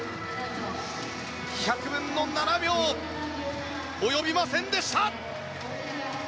１００分の７秒及びませんでした。